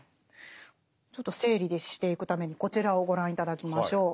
ちょっと整理していくためにこちらをご覧頂きましょう。